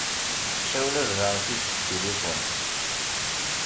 Tessawel-as-d Ɛemti-s seg tilifun.